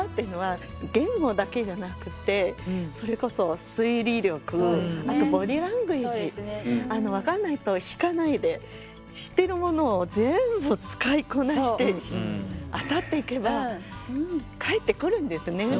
言語だけじゃなくてそれこそ分かんないと引かないで知ってるものを全部使いこなして当たっていけば返ってくるんですね。